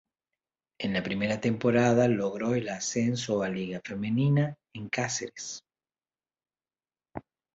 En la primera temporada logró el ascenso a Liga Femenina en Cáceres.